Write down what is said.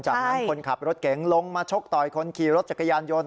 จากนั้นคนขับรถเก๋งลงมาชกต่อยคนขี่รถจักรยานยนต์